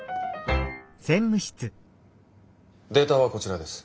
データはこちらです。